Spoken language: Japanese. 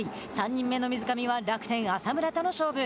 ３人目の水上は楽天・浅村との勝負。